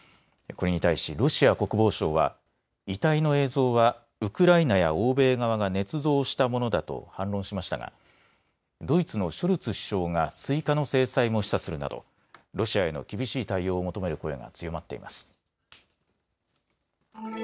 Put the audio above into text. これに対しロシア国防省は遺体の映像はウクライナや欧米側がねつ造したものだと反論しましたがドイツのシュルツ首相が追加の制裁も示唆するなどロシアへの厳しい対応を求める声が強まっています。